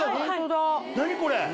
何これ。